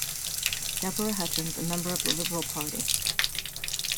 Deborah Hutchens, a member of the Liberal Party.